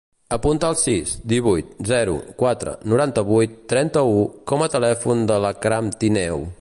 Apunta el sis, divuit, zero, quatre, noranta-vuit, trenta-u com a telèfon de l'Akram Tineo.